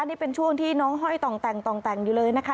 นี่เป็นช่วงที่น้องห้อยตองแต่งอยู่เลยนะคะ